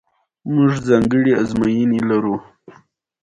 څنګه کولی شم د ماشومانو لپاره د ریاضي زدکړه په لوبو بدله کړم